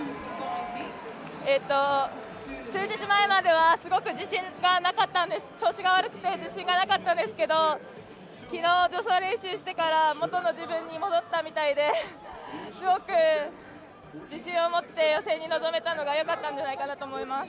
数日前までは、すごく調子が悪くて、自信がなかったんですけど昨日、助走練習してから元の自分に戻ったみたいですごく自信を持って予選に臨めたのがよかったのかなと思います。